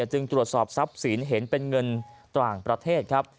จึงตรวจสอบทรัพย์สินเห็นเป็นเงินต่างประเทศครับ